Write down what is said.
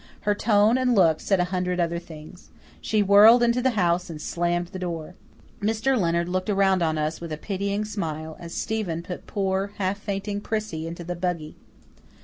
Her tone and look said a hundred other things. She whirled into the house and slammed the door. Mr. Leonard looked around on us with a pitying smile as Stephen put poor, half fainting Prissy into the buggy.